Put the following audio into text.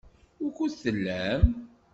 Wukud tellam?